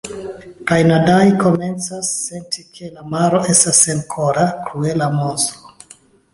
“Kaj Nadai komencas senti, ke la maro estas senkora, kruela monstro...